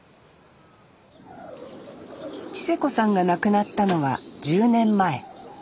知世子さんが亡くなったのは１０年前。